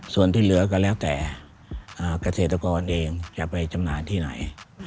ส่วนที่เหลือก็แล้วแต่เกษตรกรเองจะไปจำหน่ายที่ไหน